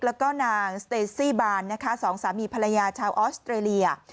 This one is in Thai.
แล้วก็นางสเตซี่บานนะคะสองสามีภรรยาชาวออสเตรเลีย